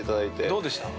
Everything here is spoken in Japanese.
◆どうでした？